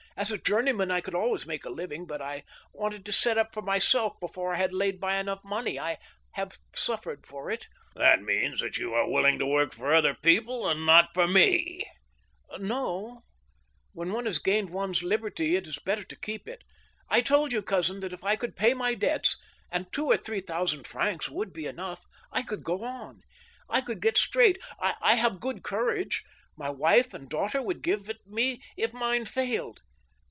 As a journeyman, I could always make a living, but I wanted to set up for myself before I had laid by enough money. I have suifered for it." " That means that you are willing to work for other people, and not for me ?"" No ; when one has gained one's liberty it is better to keep it^ I told you, cousin, that if I could pay my debts — ^and two or three thousand francs would be enough— I could go on; I could get straight. I have good courage — my wife and daughter would give it me if mine failed.